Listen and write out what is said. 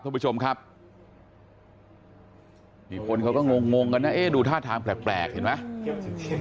คุณผู้ชมครับมีคนเขาก็งงงกันนะเอ๊ะดูท่าทางแปลกเห็นไหม